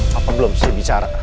papa belum bisa bicara